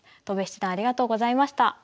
戸辺七段ありがとうございました。